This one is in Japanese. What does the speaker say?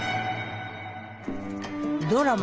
ドラマ